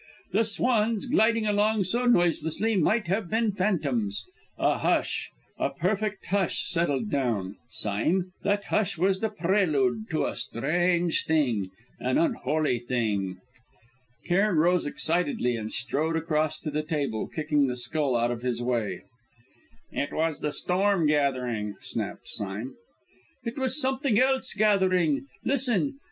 The swans, gliding along so noiselessly, might have been phantoms. A hush, a perfect hush, settled down. Sime, that hush was the prelude to a strange thing an unholy thing!" Cairn rose excitedly and strode across to the table, kicking the skull out of his way. "It was the storm gathering," snapped Sime. "It was something else gathering! Listen!